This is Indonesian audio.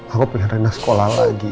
aku pengen rena sekolah lagi